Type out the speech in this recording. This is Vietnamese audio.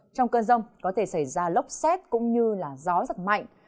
trong cơn rông có thể xảy ra lốc xét cũng như gió giật mạnh